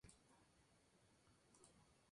James Madison Avenue en la ciudad de Nueva York.